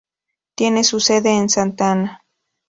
Tiene su sede en Santa Ana.